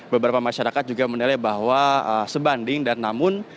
beberapa masyarakat juga menilai bahwa sebanding dan namun